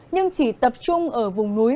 nhưng chỉ tập trung ở vùng núi